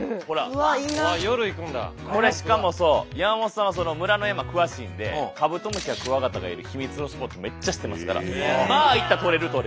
うわっいいな。これしかもそう山本さんは村の山詳しいんでカブトムシやクワガタがいる秘密のスポットめっちゃ知ってますからまあ行ったらとれるとれる。